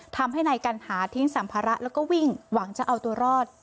ทำให้นายกัณหาทิ้งสัมภาระแล้วก็วิ่งหวังจะเอาตัวรอด